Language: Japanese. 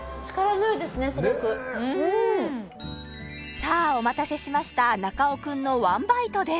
さあお待たせしました中尾君のワンバイトです